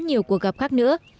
nhiều cuộc gặp khác nữa